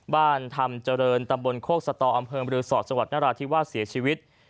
บ้านธรรมเจริญตำบลโคกสตอำเภิงบริษอตส่งหวัดนราธิวาสเสียชีวิต